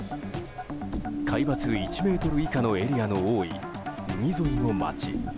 海抜１ｍ以下のエリアの多い海沿いの街。